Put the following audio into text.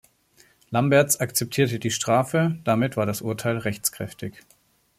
Lambertz akzeptierte die Strafe, damit war das Urteil rechtskräftig.